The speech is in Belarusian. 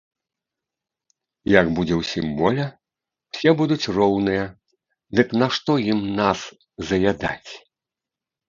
Як будзе ўсім воля, усе будуць роўныя, дык нашто ім нас заядаць?